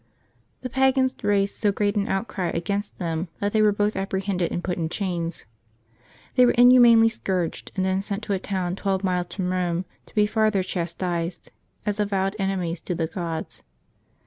The pagans raised so great an outcry against them that they were both apprehended and put in chains. They were in humanly scourged, and then sent to a town twelve miles from Eome to be farther chastised, as avowed enemies to the gods.